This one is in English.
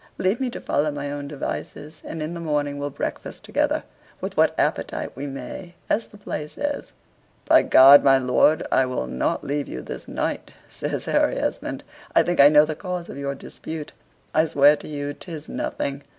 Leave me to follow my own devices: and in the morning we'll breakfast together, with what appetite we may, as the play says." "By G ! my lord, I will not leave you this night," says Harry Esmond. "I think I know the cause of your dispute. I swear to you 'tis nothing.